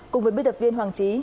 cùng với biên tập viên hoàng trí